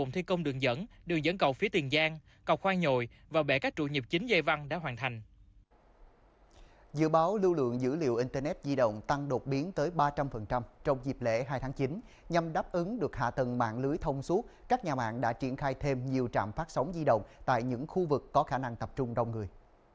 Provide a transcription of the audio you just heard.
nhằm đáp ứng được hạ tầng mạng lưới thông suốt các nhà mạng đã triển khai thêm nhiều trạm phát sóng di động tại những khu vực có khả năng tập trung đông người